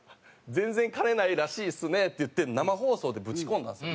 「全然金ないらしいですね」って言って生放送でぶち込んだんですよ。